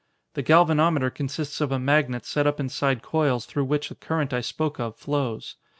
The galvanometer consists of a magnet set up inside coils through which the current I spoke of flows.